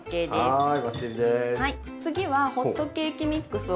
はい。